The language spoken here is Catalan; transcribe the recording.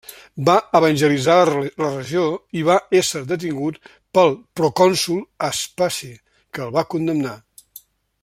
Va evangelitzar la regió i va ésser detingut pel procònsol Aspasi, que el va condemnar.